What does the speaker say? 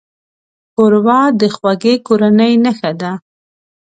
ښوروا د خوږې کورنۍ نښه ده.